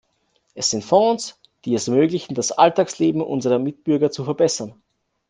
Es sind Fonds, die es ermöglichen, das Alltagsleben unserer Mitbürger zu verbessern.